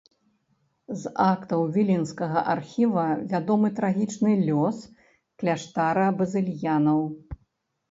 З актаў віленскага архіва вядомы трагічны лёс кляштара базыльянаў.